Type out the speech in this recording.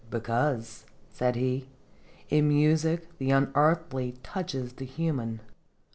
"Because," said he, "in music the un earthly touches the human.